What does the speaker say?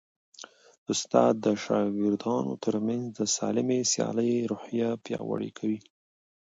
استاد د شاګردانو ترمنځ د سالمې سیالۍ روحیه پیاوړې کوي.